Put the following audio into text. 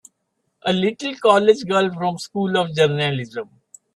A little college girl from a School of Journalism!